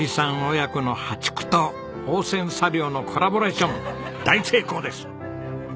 親子の淡竹と芳泉茶寮のコラボレーション大成功です！